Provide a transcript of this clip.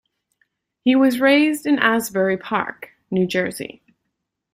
He was raised in Asbury Park, New Jersey.